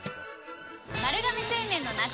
丸亀製麺の夏。